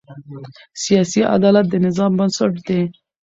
سیاسي عدالت د نظام بنسټ دی